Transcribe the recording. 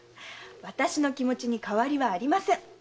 私の気持ちに変わりはありません。